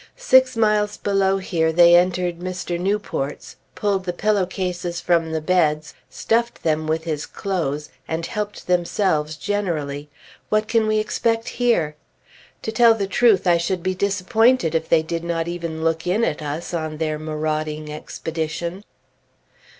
Six miles below here they entered Mr. Newport's, pulled the pillow cases from the beds, stuffed them with his clothes, and helped themselves generally. What can we expect here? To tell the truth, I should be disappointed if they did not even look in at us, on their marauding expedition.